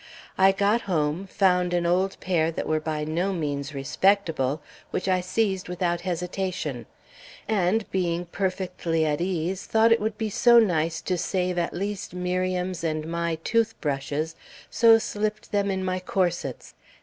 I got home, found an old pair that were by no means respectable, which I seized without hesitation; and being perfectly at ease, thought it would be so nice to save at least Miriam's and my tooth brushes, so slipped them in my corsets.